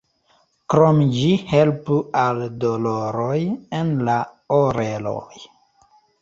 Krome ĝi helpu al doloroj en la oreloj.